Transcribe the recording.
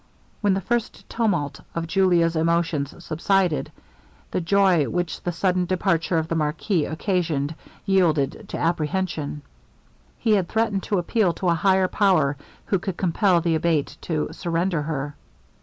When the first tumult of Julia's emotions subsided, the joy which the sudden departure of the marquis occasioned yielded to apprehension. He had threatened to appeal to a higher power, who would compel the Abate to surrender her.